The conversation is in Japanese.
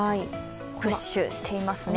プッシュしていますね。